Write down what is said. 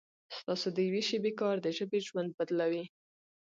ستاسو د یوې شېبې کار د ژبې ژوند بدلوي.